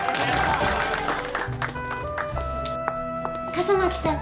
笠巻さん！